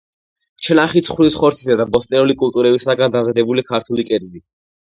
ჩანახი ცხვრის ხორცისა და ბოსტნეული კულტურებისაგან დამზადებული ქართული კერძი.